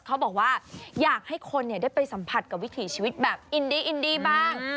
เขาบอกว่าอยากให้คนได้ไปสัมผัสกับวิถีชีวิตแบบอินดีอินดีบ้าง